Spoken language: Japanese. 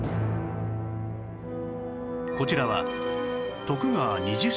こちらは